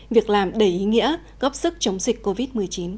việc làm đầy ý nghĩa góp sức chống dịch covid một mươi chín